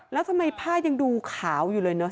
แล้วทำไมผ้ายังดูขาวอยู่เลยเนอ